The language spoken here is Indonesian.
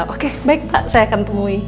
oke baik pak saya akan temui